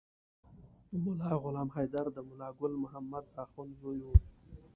ملا غلام حیدر د ملا ګل محمد اخند زوی و.